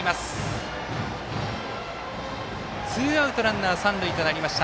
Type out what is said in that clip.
ツーアウト、ランナー、三塁となりました。